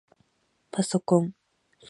ぱそこん